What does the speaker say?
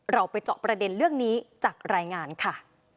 เราไปเจาะประเด็นเรื่องนี้จากรายงานค่ะ